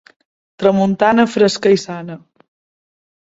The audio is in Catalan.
Tramuntana, fresca i sana.